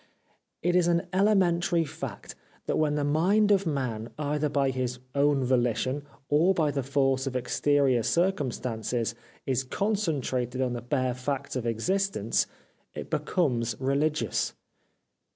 It is an elementary fact that when the mind of man either by his own volition or by the force of exterior circum stances is concentrated on the bare facts of existence it becomes religious.